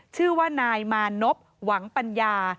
ชื่อว่านายมานพหวังปัญญา